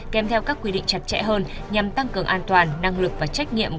kèm theo các quy định chặt chẽ hơn nhằm tăng cường an toàn năng lực và trách nhiệm